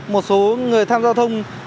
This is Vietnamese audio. một số người tham gia giao thông